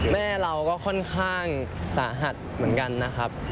แม่เราก็ค่อนข้างสาหัสเหมือนกันนะครับ